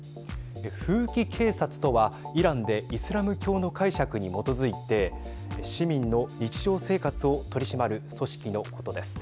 風紀警察とは、イランでイスラム教の解釈に基づいて市民の日常生活を取り締まる組織のことです。